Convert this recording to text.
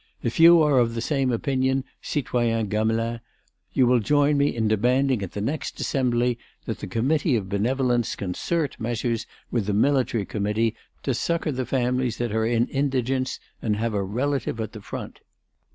If you are of the same opinion, citoyen Gamelin, you will join me in demanding, at the next assembly, that the Committee of Benevolence concert measures with the Military Committee to succour the families that are in indigence and have a relative at the front."